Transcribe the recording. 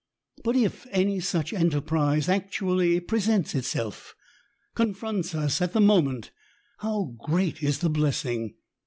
But if any such enterprise actually presents itself — confronts us at the moment — how great is the blessing